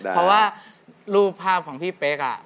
เพราะว่ารูปภาพของพี่เป๊ก